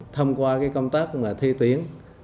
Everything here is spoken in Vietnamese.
thông qua công tác thị thi tuyển